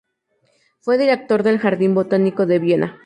Fue director del Jardín Botánico de Viena.